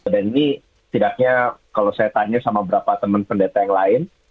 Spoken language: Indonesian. dan ini setidaknya kalau saya tanya sama berapa teman pendeta yang lain